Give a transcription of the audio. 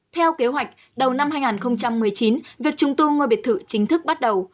theo kế hoạch đầu năm hai nghìn một mươi chín việc trùng tu ngôi biệt thự chính thức bắt đầu